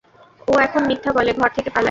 ও এখন মিথ্যা বলে, ঘর থেকে পালায়।